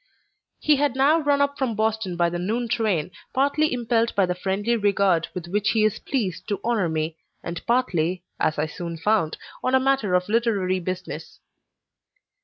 He had now run up from Boston by the noon train, partly impelled by the friendly regard with which he is pleased to honor me, and partly, as I soon found, on a matter of literary business.